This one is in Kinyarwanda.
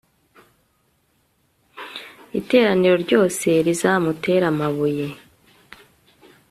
iteraniro ryose rizamutere amabuye